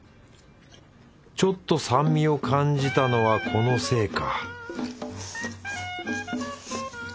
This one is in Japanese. ちょっと酸味を感じたのはこのせいか